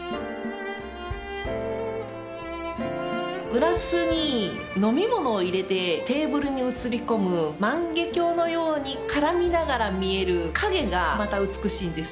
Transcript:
グラスに飲み物を入れてテーブルに映り込む万華鏡のように絡みながら見える影がまた美しいんです